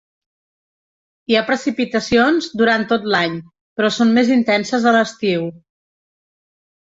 Hi ha precipitacions durant tot l'any, però són més intenses a l'estiu.